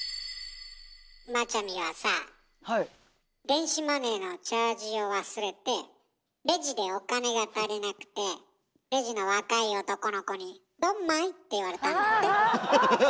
電子マネーのチャージを忘れてレジでお金が足りなくてレジの若い男の子に「ドンマイ」って言われたんだって？